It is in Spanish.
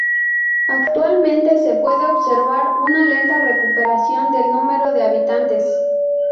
Actualmente se puede observar una lenta recuperación del número de habitantes.